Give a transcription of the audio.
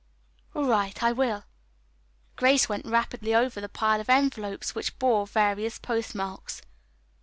"All right, I will." Grace went rapidly over the pile of envelopes which bore various postmarks.